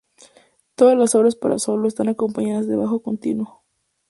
Todas las obras para solo están acompañadas de bajo continuo.